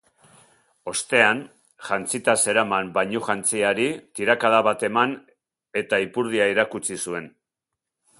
Ostean, jantzita zeraman bainujantziari tirakada bat eman, eta ipurdia erakutsi zuen.